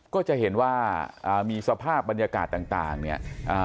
ก็จะเห็นว่าอ่ามีสภาพบรรยากาศต่างเนี่ย